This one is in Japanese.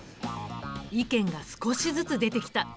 意見が少しずつ出てきた。